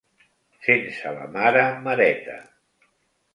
Sense la mare mareta.